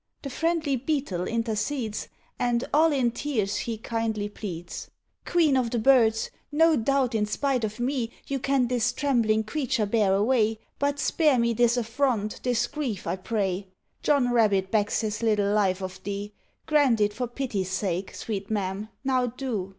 The friendly Beetle intercedes, And, all in tears, he kindly pleads: "Queen of the Birds! no doubt, in spite of me, You can this trembling creature bear away; But spare me this affront, this grief, I pray. John Rabbit begs his little life of thee; Grant it for pity's sake, sweet ma'am, now do!"